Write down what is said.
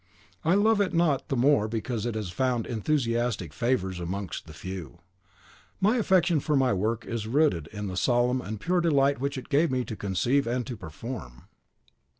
I love it not the more because it has found enthusiastic favorers amongst the Few. My affection for my work is rooted in the solemn and pure delight which it gave me to conceive and to perform.